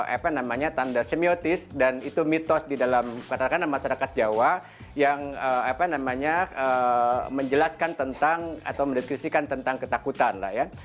apa namanya tanda semiotis dan itu mitos di dalam katakanlah masyarakat jawa yang apa namanya menjelaskan tentang atau mendiskrisikan tentang ketakutan lah ya